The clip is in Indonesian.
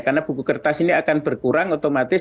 karena buku kertas ini akan berkurang otomatis